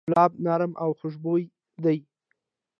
ګلاب نرم او خوشبویه دی.